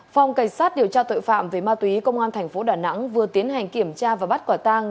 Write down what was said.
phòng cảnh sát điều tra tội phạm về ma túy công an thành phố đà nẵng vừa tiến hành kiểm tra và bắt quả tang